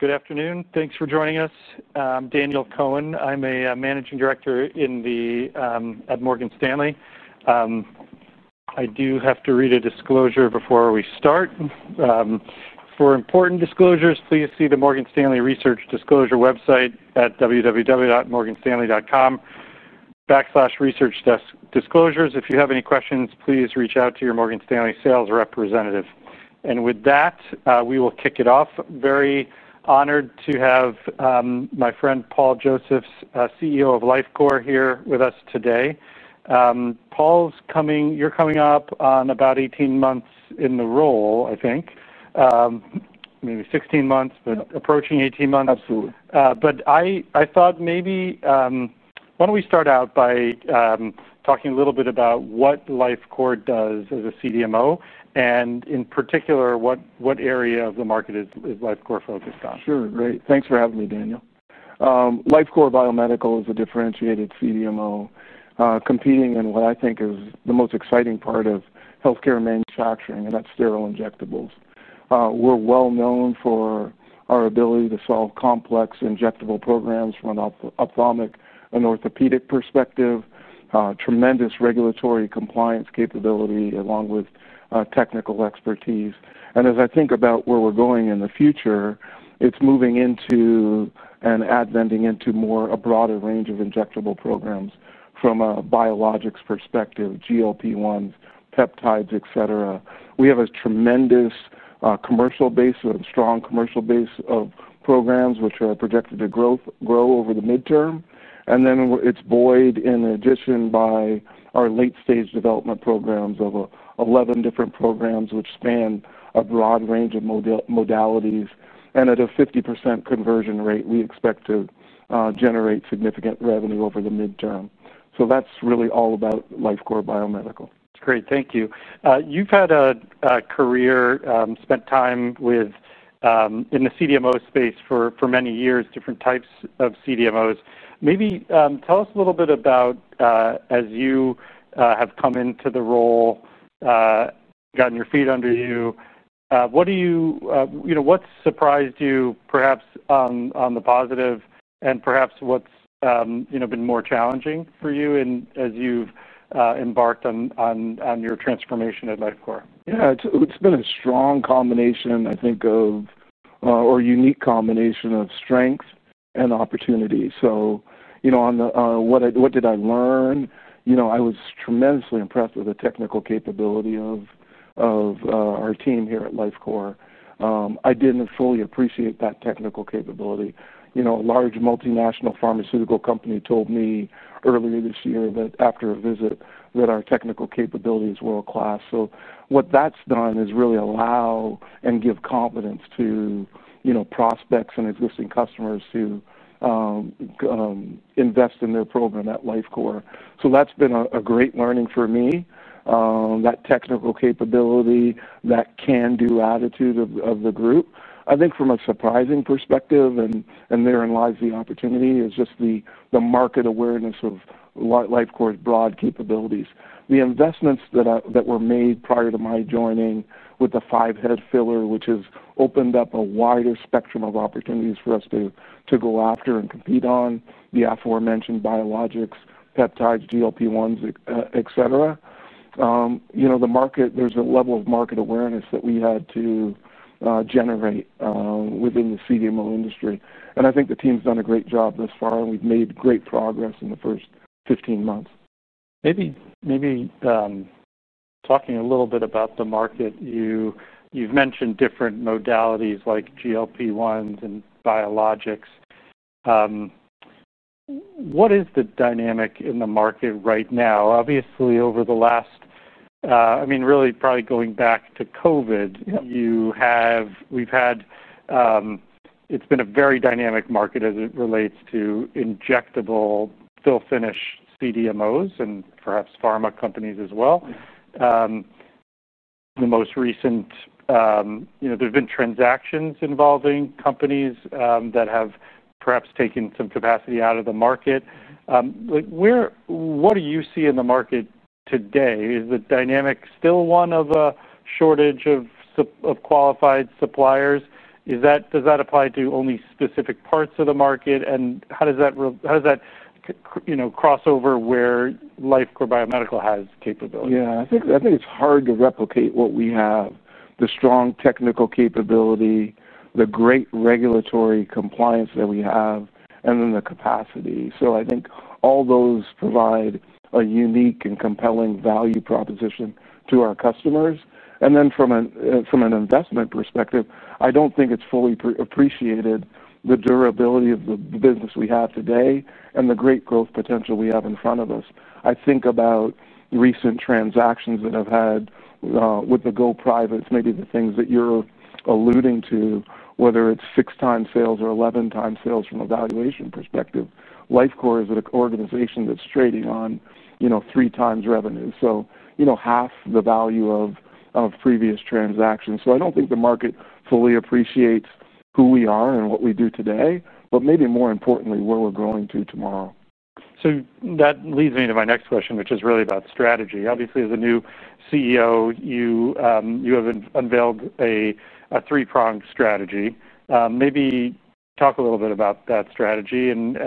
Good afternoon. Thanks for joining us. I'm Daniel Cohen. I'm a Managing Director at Morgan Stanley. I do have to read a disclosure before we start. For important disclosures, please see the Morgan Stanley Research Disclosure website at www.morganstanley.com. If you have any questions, please reach out to your Morgan Stanley sales representative. With that, we will kick it off. Very honored to have my friend Paul Josephs, CEO of Lifecore Biomedical, here with us today. Paul's coming, you're coming up on about 18 months in the role, I think. Maybe 16 months, but approaching 18 months. Absolutely. I thought maybe why don't we start out by talking a little bit about what Lifecore does as a CDMO, and in particular what area of the market is Lifecore focused on? Sure. Great. Thanks for having me, Daniel. Lifecore Biomedical is a differentiated CDMO competing in what I think is the most exciting part of healthcare manufacturing, and that's sterile injectables. We're well known for our ability to solve complex injectable programs from an ophthalmic and orthopedic perspective, tremendous regulatory compliance capability along with technical expertise. As I think about where we're going in the future, it's moving into and adventing into a broader range of injectable programs from a biologics perspective, GLP-1s, peptides, etc. We have a tremendous commercial base, a strong commercial base of programs which are projected to grow over the midterm. It's buoyed in addition by our late-stage development programs of 11 different programs which span a broad range of modalities. At a 50% conversion rate, we expect to generate significant revenue over the midterm. That's really all about Lifecore Biomedical. Great. Thank you. You've had a career, spent time in the CDMO space for many years, different types of CDMOs. Maybe tell us a little bit about as you have come into the role, gotten your feet under you, what do you, you know, what's surprised you perhaps on the positive and perhaps what's been more challenging for you as you've embarked on your transformation at Lifecore Biomedical? Yeah, it's been a strong combination, I think, or unique combination of strength and opportunity. On the what did I learn, I was tremendously impressed with the technical capability of our team here at Lifecore. I didn't fully appreciate that technical capability. A large multinational pharmaceutical company told me earlier this year that after a visit that our technical capability is world-class. What that's done is really allow and give confidence to prospects and existing customers to invest in their program at Lifecore. That's been a great learning for me, that technical capability, that can-do attitude of the group. I think from a surprising perspective, and therein lies the opportunity, is just the market awareness of Lifecore's broad capabilities. The investments that were made prior to my joining with the five-head filler, which has opened up a wider spectrum of opportunities for us to go after and compete on, the aforementioned biologics, peptides, GLP-1s, etc. The market, there's a level of market awareness that we had to generate within the CDMO industry. I think the team's done a great job thus far, and we've made great progress in the first 15 months. Maybe talking a little bit about the market, you've mentioned different modalities like GLP-1s and biologics. What is the dynamic in the market right now? Obviously, over the last, I mean, really probably going back to COVID, we've had, it's been a very dynamic market as it relates to injectable fill-finish CDMOs and perhaps pharma companies as well. The most recent, you know, there have been transactions involving companies that have perhaps taken some capacity out of the market. What do you see in the market today? Is the dynamic still one of a shortage of qualified suppliers? Does that apply to only specific parts of the market? How does that, you know, cross over where Lifecore Biomedical has capability? Yeah, I think it's hard to replicate what we have, the strong technical capability, the great regulatory compliance that we have, and then the capacity. I think all those provide a unique and compelling value proposition to our customers. From an investment perspective, I don't think it's fully appreciated, the durability of the business we have today and the great growth potential we have in front of us. I think about recent transactions that have had, with the go privates, maybe the things that you're alluding to, whether it's 6x sales or 11x sales from a valuation perspective. Lifecore Biomedical is an organization that's trading on, you know, 3x revenue, so you know, half the value of previous transactions. I don't think the market fully appreciates who we are and what we do today, but maybe more importantly, where we're going to tomorrow. That leads me to my next question, which is really about strategy. Obviously, as a new CEO, you have unveiled a three-pronged strategy. Maybe talk a little bit about that strategy and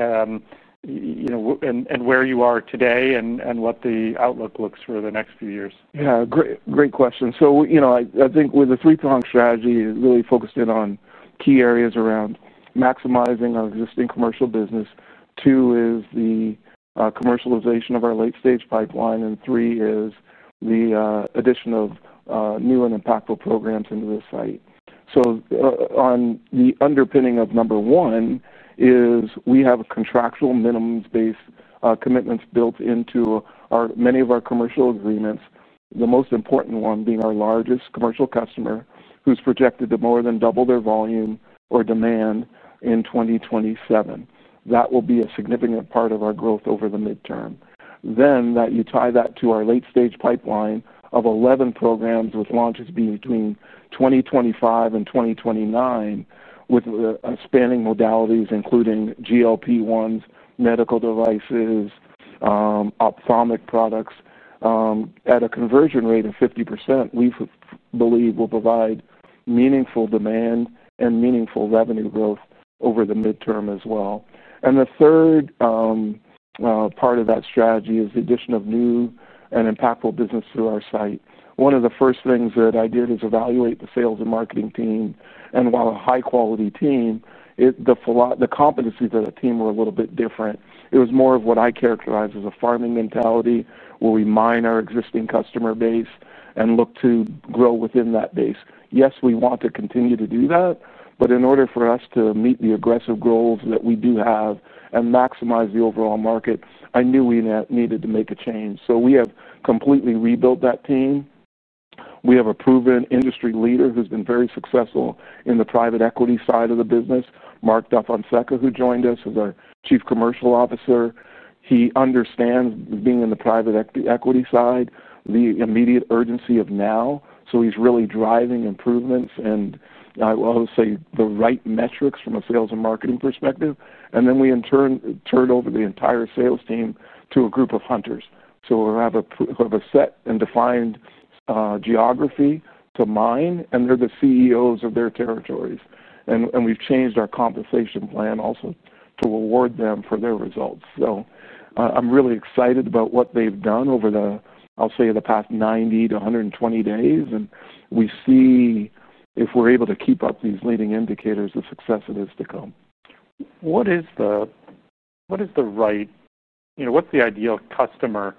where you are today and what the outlook looks for the next few years. Yeah, great question. I think with the three-prong strategy, it really focuses on key areas around maximizing our existing commercial business. Two is the commercialization of our late-stage development pipeline, and three is the addition of new and impactful programs into the site. The underpinning of number one is we have contractual minimums-based commitments built into many of our commercial agreements, the most important one being our largest commercial customer who's projected to more than double their volume or demand in 2027. That will be a significant part of our growth over the midterm. You tie that to our late-stage development pipeline of 11 programs with launches between 2025 and 2029, spanning modalities including GLP-1s, medical devices, ophthalmic products at a conversion rate of 50%. We believe we'll provide meaningful demand and meaningful revenue growth over the midterm as well. The third part of that strategy is the addition of new and impactful business to our site. One of the first things that I did is evaluate the sales and marketing team, and while a high-quality team, the competencies of that team were a little bit different. It was more of what I characterize as a farming mentality where we mine our existing customer base and look to grow within that base. Yes, we want to continue to do that, but in order for us to meet the aggressive goals that we do have and maximize the overall market, I knew we needed to make a change. We have completely rebuilt that team. We have a proven industry leader who's been very successful in the private equity side of the business, Mark DaFonseca, who joined us as our Chief Commercial Officer. He understands, being in the private equity side, the immediate urgency of now. He's really driving improvements and, I will always say, the right metrics from a sales and marketing perspective. We, in turn, turned over the entire sales team to a group of hunters. We have a set and defined geography to mine, and they're the CEOs of their territories. We've changed our compensation plan also to reward them for their results. I'm really excited about what they've done over the past 90 to 120 days. We see if we're able to keep up these leading indicators, the success of this to come. What is the right, you know, what's the ideal customer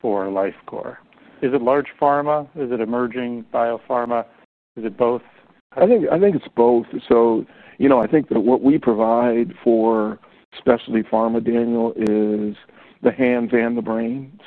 for Lifecore? Is it large pharma? Is it emerging biopharma? Is it both? I think it's both. I think that what we provide for specialty pharma, Daniel, is the hands and the brain.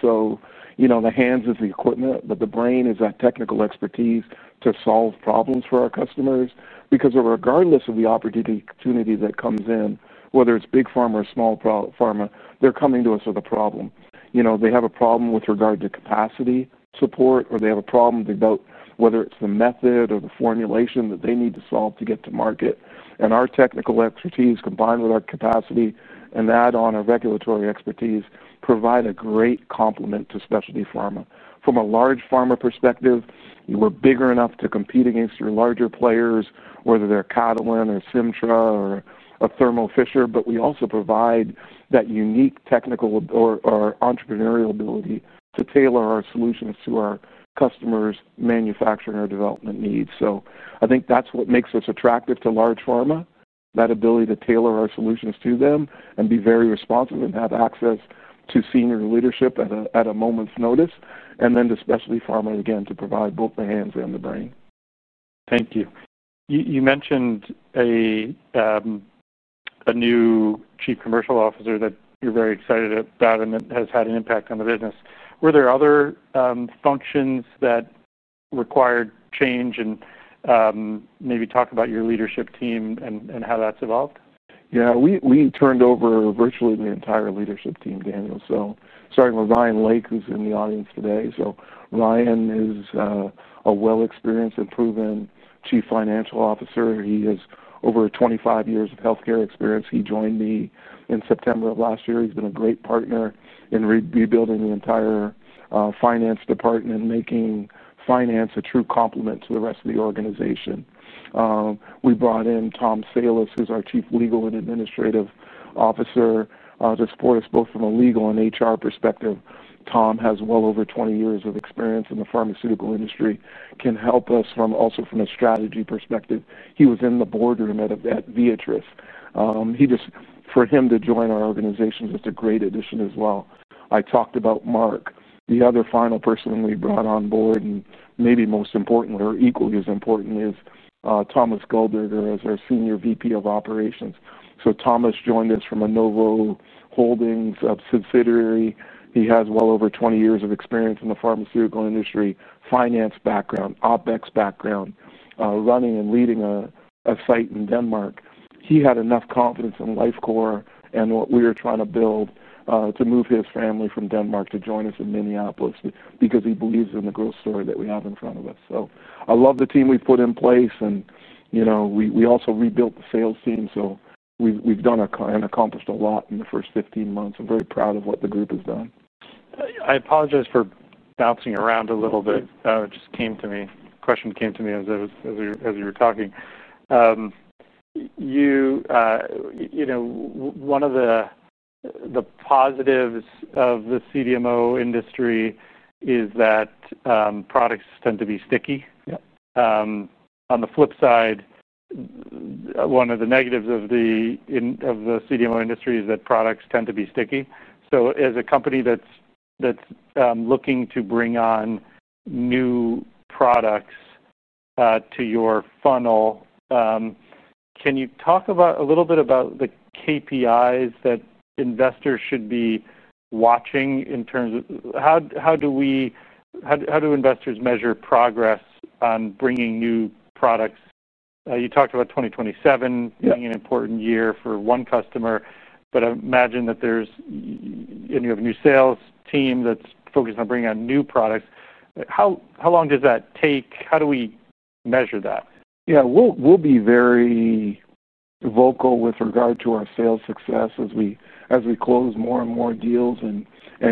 The hands is the equipment, but the brain is that technical expertise to solve problems for our customers because regardless of the opportunity that comes in, whether it's big pharma or small pharma, they're coming to us with a problem. They have a problem with regard to capacity support, or they have a problem about whether it's the method or the formulation that they need to solve to get to market. Our technical expertise, combined with our capacity, and add on our regulatory expertise, provide a great complement to specialty pharma. From a large pharma perspective, we're big enough to compete against your larger players, whether they're Catalent or Symtra or Thermo Fisher, but we also provide that unique technical or entrepreneurial ability to tailor our solutions to our customers' manufacturing or development needs. I think that's what makes us attractive to large pharma, that ability to tailor our solutions to them and be very responsive and have access to senior leadership at a moment's notice. To specialty pharma, again, to provide both the hands and the brain. Thank you. You mentioned a new Chief Commercial Officer that you're very excited about, and it has had an impact on the business. Were there other functions that required change, and maybe talk about your leadership team and how that's evolved? Yeah, we turned over virtually the entire leadership team, Daniel. Starting with Ryan Lake, who's in the audience today. Ryan is a well-experienced and proven Chief Financial Officer. He has over 25 years of healthcare experience. He joined me in September of last year. He's been a great partner in rebuilding the entire finance department and making finance a true complement to the rest of the organization. We brought in Tom Salis, who's our Chief Legal and Administrative Officer, to support us both from a legal and HR perspective. Tom has well over 20 years of experience in the pharmaceutical industry, can help us also from a strategy perspective. He was in the boardroom at Viatris. For him to join our organization is just a great addition as well. I talked about Mark, the other final person we brought on board, and maybe most importantly, or equally as importantly, is Thomas Goldberger, who is our Senior Vice President of Operations. Thomas joined us from a Novo Holdings subsidiary. He has well over 20 years of experience in the pharmaceutical industry, finance background, OpEx background, running and leading a site in Denmark. He had enough confidence in Lifecore and what we were trying to build to move his family from Denmark to join us in Minneapolis because he believes in the growth story that we have in front of us. I love the team we put in place, and you know we also rebuilt the sales team. We've done and accomplished a lot in the first 15 months. I'm very proud of what the group has done. I apologize for bouncing around a little bit. It just came to me. The question came to me as you were talking. You know, one of the positives of the CDMO industry is that products tend to be sticky. On the flip side, one of the negatives of the CDMO industry is that products tend to be sticky. As a company that's looking to bring on new products to your funnel, can you talk a little bit about the KPIs that investors should be watching in terms of how do investors measure progress on bringing new products? You talked about 2027 being an important year for one customer, but I imagine that there's, and you have a new sales team that's focused on bringing out new products. How long does that take? How do we measure that? Yeah, we'll be very vocal with regard to our sales success as we close more and more deals and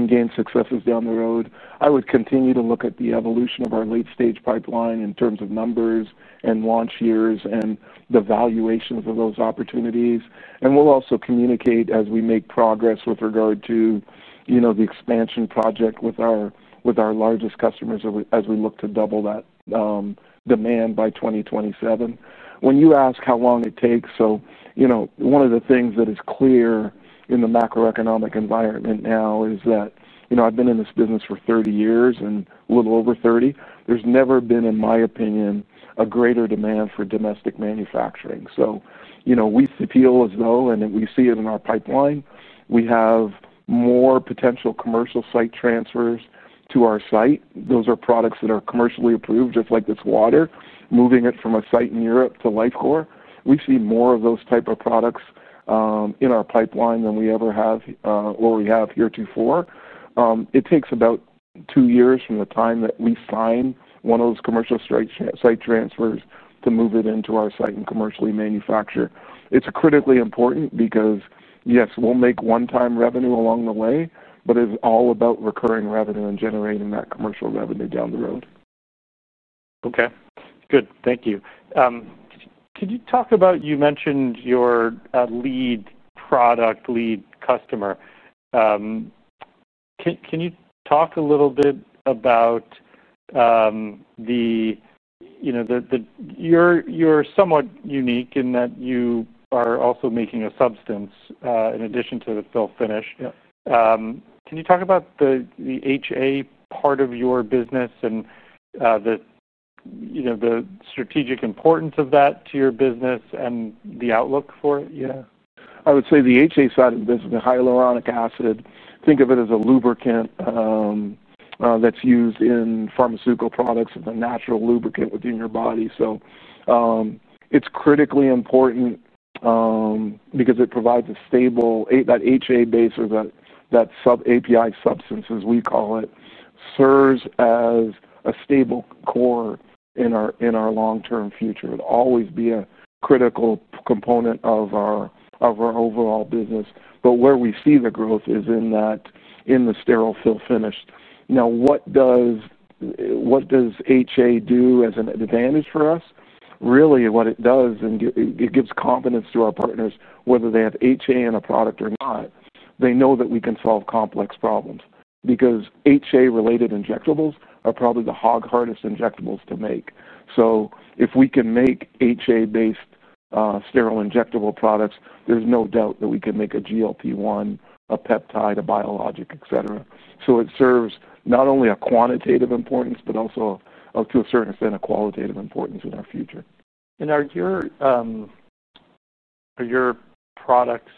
gain successes down the road. I would continue to look at the evolution of our late-stage pipeline in terms of numbers and launch years and the valuation for those opportunities. We'll also communicate as we make progress with regard to the expansion project with our largest customers as we look to double that demand by 2027. When you ask how long it takes, one of the things that is clear in the macroeconomic environment now is that I've been in this business for 30 years and a little over 30. There's never been, in my opinion, a greater demand for domestic manufacturing. We feel as though, and we see it in our pipeline, we have more potential commercial site transfers to our site. Those are products that are commercially approved, just like this water, moving it from a site in Europe to Lifecore. We see more of those types of products in our pipeline than we ever have, or we have heretofore. It takes about two years from the time that we sign one of those commercial site transfers to move it into our site and commercially manufacture. It's critically important because, yes, we'll make one-time revenue along the way, but it's all about recurring revenue and generating that commercial revenue down the road. Okay. Good. Thank you. Could you talk about, you mentioned your lead product, lead customer. Can you talk a little bit about, you know, you're somewhat unique in that you are also making a substance in addition to the fill-finish. Can you talk about the HA part of your business and the strategic importance of that to your business and the outlook for it? Yeah. I would say the HA side of the business, the hyaluronic acid, think of it as a lubricant that's used in pharmaceutical products as a natural lubricant within your body. It's critically important because it provides a stable, that HA base or that sub-API substance, as we call it, serves as a stable core in our long-term future. It'll always be a critical component of our overall business. Where we see the growth is in that, in the sterile fill-finish. What does HA do as an advantage for us? Really, what it does, it gives confidence to our partners, whether they have HA in a product or not, they know that we can solve complex problems because HA-related injectables are probably the hardest injectables to make. If we can make HA-based sterile injectable products, there's no doubt that we can make a GLP-1, a peptide, a biologic, etc. It serves not only a quantitative importance, but also to a certain extent, a qualitative importance in our future. Are your products,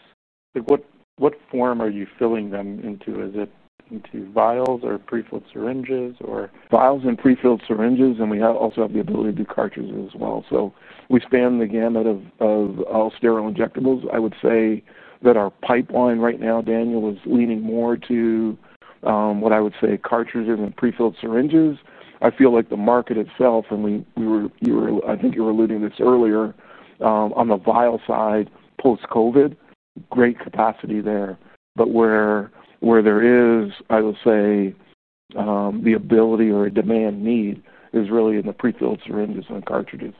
like what form are you filling them into? Is it into vials or prefilled syringes? Vials and prefilled syringes, and we also have the ability to do cartridges as well. We span the gamut of all sterile injectables. I would say that our pipeline right now, Daniel, is leaning more to what I would say cartridges and prefilled syringes. I feel like the market itself, and we were, I think you were alluding to this earlier, on the vial side, post-COVID, great capacity there. Where there is, I would say, the ability or a demand need is really in the prefilled syringes and cartridges.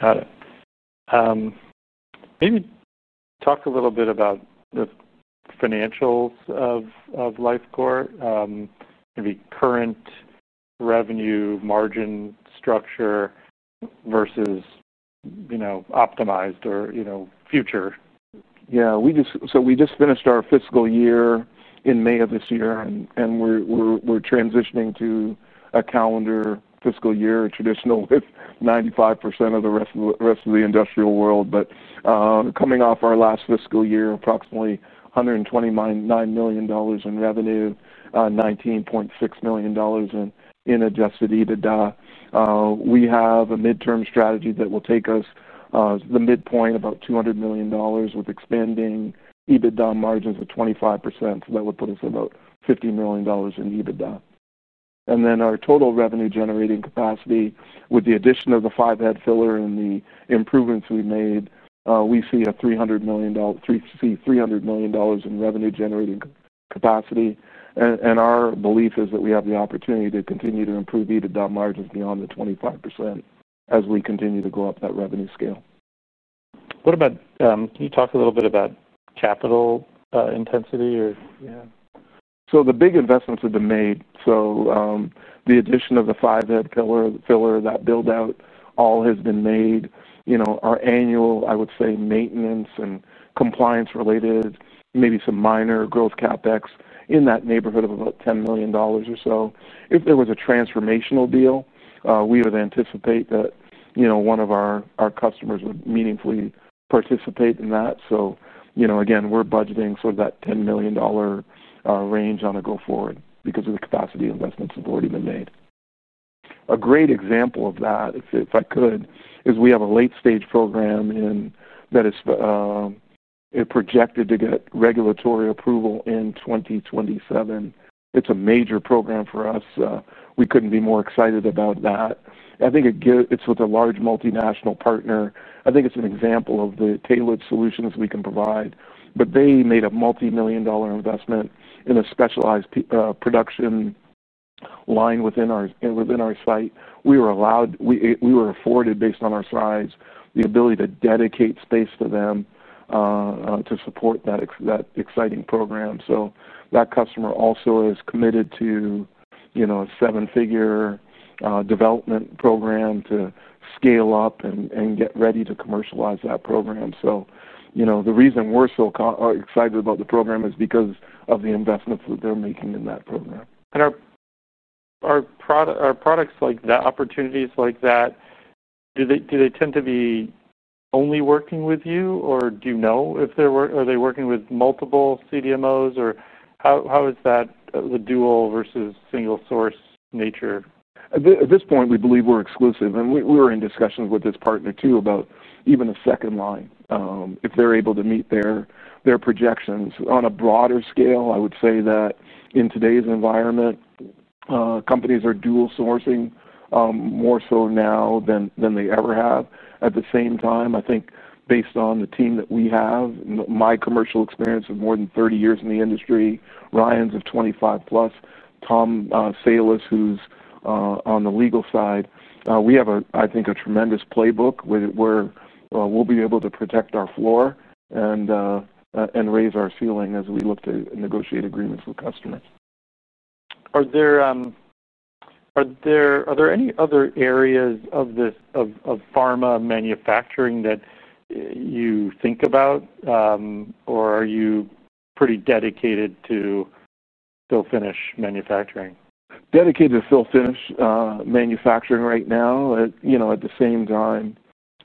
Got it. Maybe talk a little bit about the financials of Lifecore, maybe current revenue margin structure versus, you know, optimized or, you know, future. We just finished our fiscal year in May of this year, and we're transitioning to a calendar fiscal year, a traditional with 95% of the rest of the industrial world. Coming off our last fiscal year, approximately $129 million in revenue, $19.6 million in adjusted EBITDA. We have a midterm strategy that will take us the midpoint, about $200 million, with expanding EBITDA margins of 25%. That would put us at about $50 million in EBITDA. Our total revenue-generating capacity, with the addition of the five-head filler and the improvements we made, we see a $300 million in revenue-generating capacity. Our belief is that we have the opportunity to continue to improve EBITDA margins beyond the 25% as we continue to go up that revenue scale. Can you talk a little bit about capital intensity? The big investments have been made. The addition of the five-head filler, that build-out, all has been made. Our annual, I would say, maintenance and compliance-related, maybe some minor growth CapEx in that neighborhood of about $10 million or so. If there was a transformational deal, we would anticipate that one of our customers would meaningfully participate in that. We're budgeting for that $10 million range on a go-forward because of the capacity investments that have already been made. A great example of that, if I could, is we have a late-stage program that is projected to get regulatory approval in 2027. It's a major program for us. We couldn't be more excited about that. I think it's with a large multinational partner. I think it's an example of the tailored solutions we can provide. They made a multimillion-dollar investment in a specialized production line within our site. We were allowed, we were afforded, based on our size, the ability to dedicate space to them to support that exciting program. That customer also is committed to a seven-figure development program to scale up and get ready to commercialize that program. The reason we're so excited about the program is because of the investments that they're making in that program. Our products like that, opportunities like that, do they tend to be only working with you, or do you know if they're working with multiple CDMOs, or how is that the dual versus single-source nature? At this point, we believe we're exclusive, and we were in discussions with this partner too about even a second line, if they're able to meet their projections. On a broader scale, I would say that in today's environment, companies are dual sourcing more so now than they ever have. At the same time, I think based on the team that we have, my commercial experience of more than 30 years in the industry, Ryan's of 25 plus, Tom Salis, who's on the legal side, we have, I think, a tremendous playbook where we'll be able to protect our floor and raise our ceiling as we look to negotiate agreements with customers. Are there any other areas of this pharma manufacturing that you think about, or are you pretty dedicated to fill-finish manufacturing? Dedicated to fill-finish manufacturing right now. At the same time,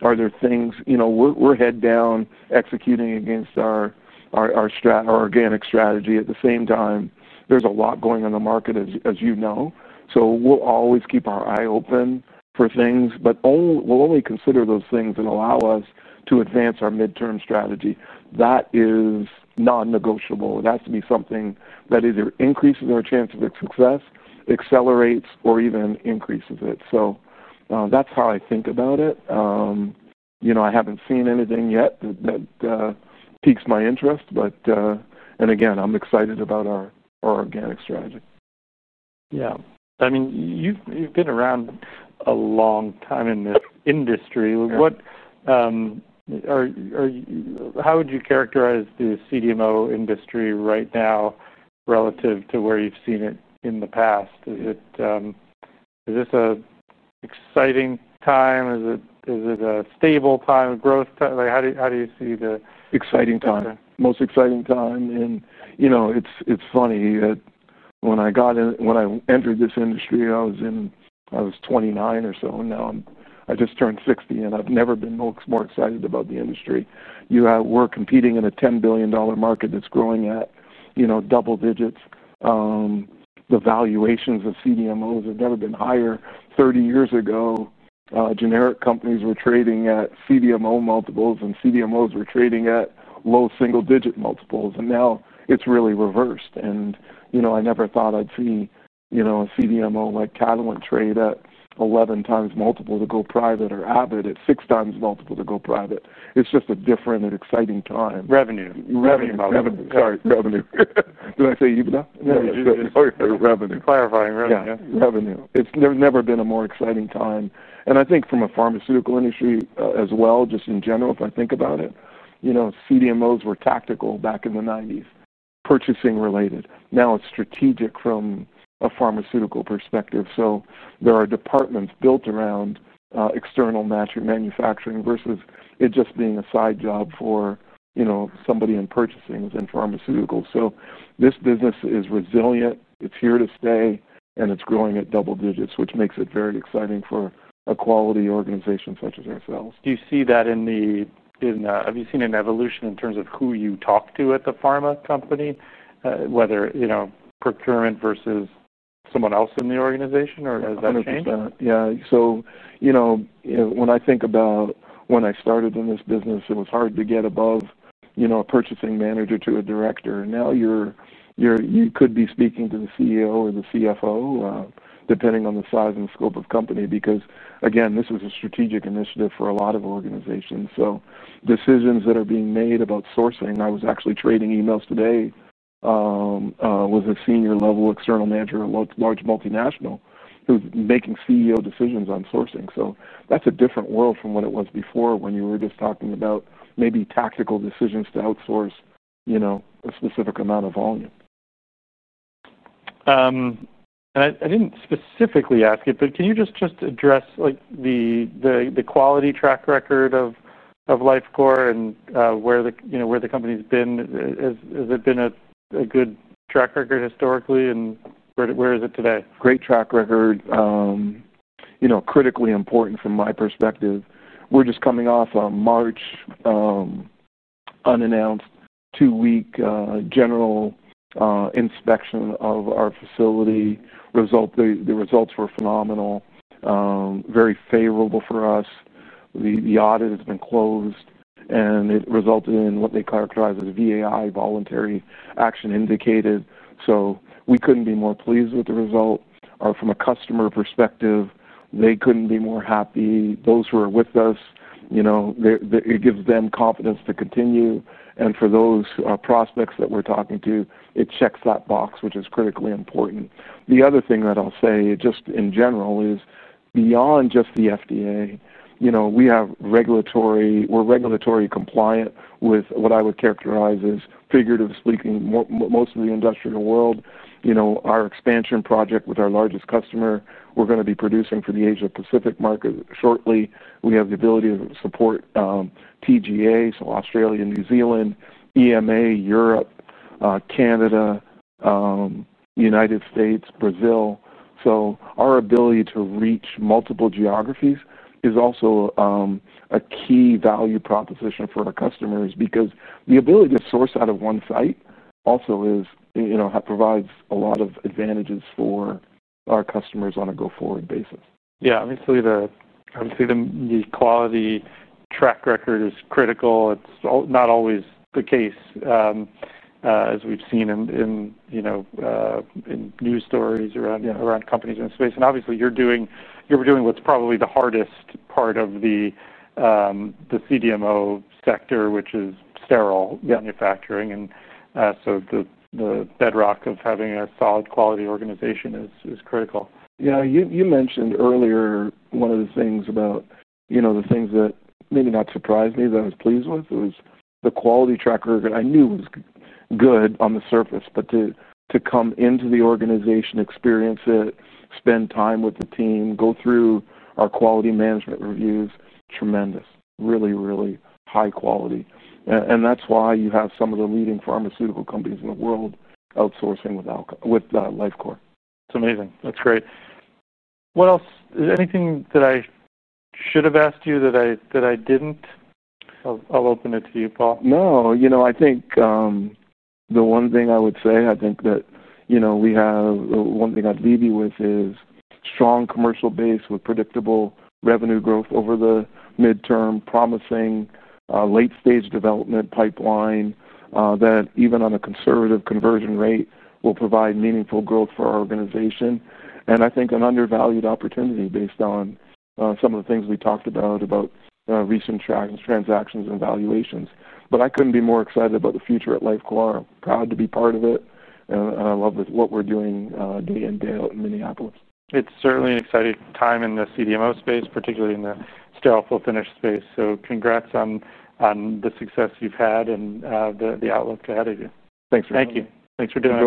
are there things, you know, we're head down executing against our organic strategy. At the same time, there's a lot going on in the market, as you know. We'll always keep our eye open for things, but we'll only consider those things that allow us to advance our midterm strategy. That is non-negotiable. It has to be something that either increases our chance of its success, accelerates, or even increases it. That's how I think about it. I haven't seen anything yet that piques my interest, but again, I'm excited about our organic strategy. Yeah. I mean, you've been around a long time in this industry. How would you characterize the CDMO industry right now relative to where you've seen it in the past? Is this an exciting time? Is it a stable time of growth? How do you see the? Exciting time. Most exciting time. It's funny that when I entered this industry, I was 29 or so. Now I just turned 60, and I've never been more excited about the industry. We are competing in a $10 billion market that's growing at double digits. The valuations of CDMOs have never been higher. Thirty years ago, generic companies were trading at CDMO multiples, and CDMOs were trading at low single-digit multiples. Now it's really reversed. I never thought I'd see a CDMO like Catalent trade at 11 times multiple to go private or Abbott at six times multiple to go private. It's just a different and exciting time. Revenue. Revenue. Sorry, revenue. Did I say EBITDA? No, you did. Clarifying revenue. Yeah, revenue. It's never been a more exciting time. I think from a pharmaceutical industry as well, just in general, if I think about it, you know, CDMOs were tactical back in the 1990s, purchasing-related. Now it's strategic from a pharmaceutical perspective. There are departments built around external manufacturing versus it just being a side job for, you know, somebody in purchasing within pharmaceuticals. This business is resilient. It's here to stay, and it's growing at double digits, which makes it very exciting for a quality organization such as ourselves. Do you see that in the, have you seen an evolution in terms of who you talk to at the pharma company, whether procurement versus someone else in the organization, or has that changed? 100%. Yeah. When I think about when I started in this business, it was hard to get above, you know, a Purchasing Manager to a Director. Now you could be speaking to the CEO or the CFO, depending on the size and the scope of the company, because, again, this was a strategic initiative for a lot of organizations. Decisions that are being made about sourcing—I was actually trading emails today with a senior-level external manager at a large multinational who's making CEO decisions on sourcing. That's a different world from what it was before when you were just talking about maybe tactical decisions to outsource, you know, a specific amount of volume. I didn't specifically ask it, but can you just address the quality track record of Lifecore and where the company's been? Has it been a good track record historically, and where is it today? Great track record. Critically important from my perspective. We're just coming off a March, unannounced, two-week general inspection of our facility. The results were phenomenal, very favorable for us. The audit has been closed, and it resulted in what they characterize as VAI, voluntary action indicated. We couldn't be more pleased with the result. From a customer perspective, they couldn't be more happy. Those who are with us, it gives them confidence to continue. For those prospects that we're talking to, it checks that box, which is critically important. The other thing that I'll say just in general is beyond just the FDA, we are regulatory compliant with what I would characterize as, figuratively speaking, most of the industrial world. Our expansion project with our largest customer, we're going to be producing for the Asia-Pacific market shortly. We have the ability to support TGA, so Australia, New Zealand, EMA, Europe, Canada, United States, Brazil. Our ability to reach multiple geographies is also a key value proposition for our customers because the ability to source out of one site also provides a lot of advantages for our customers on a go-forward basis. Yeah, I mean, clearly, the quality track record is critical. It's not always the case, as we've seen in, you know, in news stories around companies in this space. Obviously, you're doing what's probably the hardest part of the CDMO sector, which is sterile manufacturing. The bedrock of having a solid quality organization is critical. You mentioned earlier one of the things about the things that maybe not surprised me, that I was pleased with, was the quality track record. I knew it was good on the surface, but to come into the organization, experience it, spend time with the team, go through our quality management reviews, tremendous, really, really high quality. That's why you have some of the leading pharmaceutical companies in the world outsourcing with Lifecore. It's amazing. That's great. What else? Is there anything that I should have asked you that I didn't? I'll open it to you, Paul. I think the one thing I would say, I think that we have one thing I'd leave you with is a strong commercial base with predictable revenue growth over the midterm, promising late-stage development pipeline that even on a conservative conversion rate will provide meaningful growth for our organization. I think an undervalued opportunity based on some of the things we talked about, about recent transactions and valuations. I couldn't be more excited about the future at Lifecore. I'm proud to be part of it, and I love what we're doing day in, day out in Minneapolis. It's certainly an exciting time in the CDMO space, particularly in the sterile fill-finish space. Congrats on the success you've had and the outlook ahead of you. Thanks for having me. Thank you. Thanks for doing it.